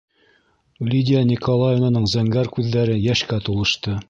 - Лидия Николаевнаның зәңгәрһыу күҙҙәре йәшкә тулышты.